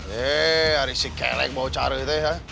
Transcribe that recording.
heee risik kelek bau cara itu ya